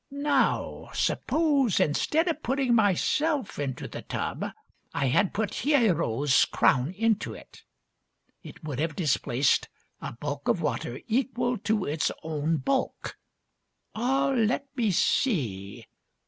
" Now suppose, instead of putting myself into the tub, I had put Hiero's crown into it, it would have "EURpKA!" 33 displaced a bulk of water equal to its own bulk. Ah, let me see